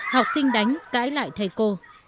học sinh đánh cãi lại thầy cô